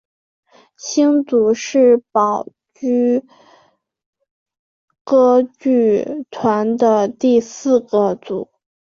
星组是宝冢歌剧团的第四个组。